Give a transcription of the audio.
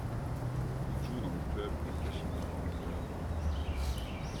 Il joue dans le club des Kashima Antlers.